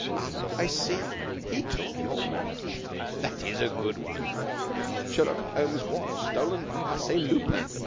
Ah! I see! He took your watch! That is a good one! Sherlock Holmes' watch stolen by Arsène Lupin!